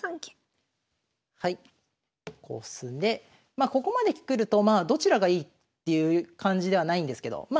まあここまで来るとどちらがいいっていう感じではないんですけどま